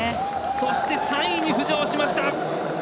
そして３位に浮上しました。